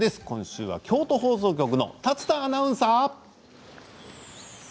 今週は京都放送局の竜田アナウンサー。